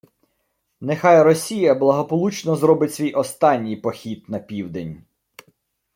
«Нехай Росія благополучно зробить свій останній «похід» на південь